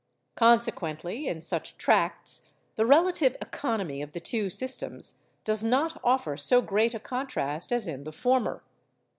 Consequently, in such tracts, the relative economy of the two systems does not offer so great a contrast as in the former.